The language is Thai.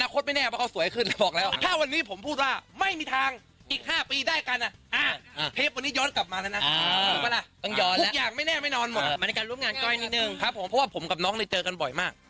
ครับผมเพราะว่าผมกับน้องนี่เจอกันบ่อยมาก